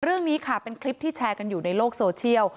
เรื่องนี้ค่ะเป็นคลิปที่แชร์กันอยู่ในโลกโซเชียล